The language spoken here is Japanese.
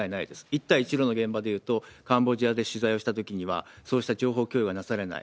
一帯一路の現場でいうと、カンボジアで取材をしたときには、そうした情報共有がなされない。